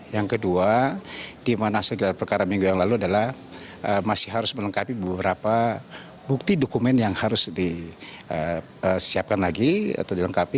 yang kedua di mana hasil gelar perkara minggu yang lalu adalah masih harus melengkapi beberapa bukti dokumen yang harus disiapkan lagi atau dilengkapi